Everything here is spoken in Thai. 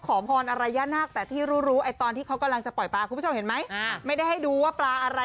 หวังว่าจะได้สิ่งที่ขอนะคะหวังว่าญาณาคจะเมตตานะคะ